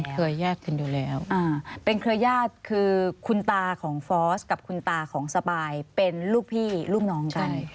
เคยแยกกันอยู่แล้วเป็นเครือญาติคือคุณตาของฟอสกับคุณตาของสปายเป็นลูกพี่ลูกน้องกัน